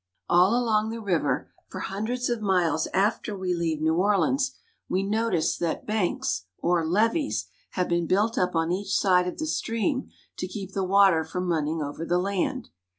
All along the river, for hundreds of miles after we leave New Orleans, we notice that banks, or levees, have been built up on each side of the stream to keep the water from running over the land.